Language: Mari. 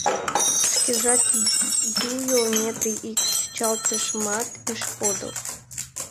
Шкежак йӱӧ, Метрий ик чӱчалтышымат ыш подыл.